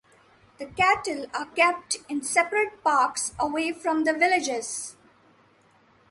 The cattle are kept in separate parks away from the villages.